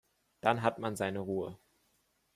Dann hat man seine Ruhe.